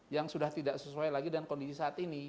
yang sudah tidak sesuai lagi dengan kondisi saat ini